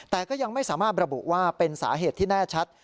แต่ก็ยังไม่สามารถระบุว่าเป็นสาเหตุที่แน่ชัด